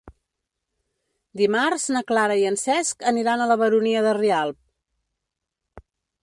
Dimarts na Clara i en Cesc aniran a la Baronia de Rialb.